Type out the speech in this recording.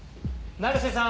成瀬さん！